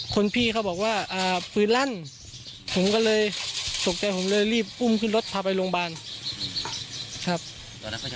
คนพี่เขาบอกว่าปืนลั่นผมก็เลยตกใจผมเลยรีบอุ้มขึ้นรถพาไปโรงพยาบาลครับ